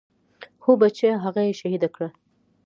هو بچيه هغه يې شهيده کړه.